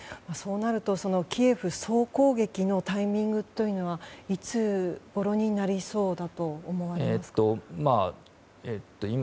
そうなるとキエフ総攻撃のタイミングというのはいつごろになりそうだと思われますか。